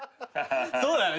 そうだね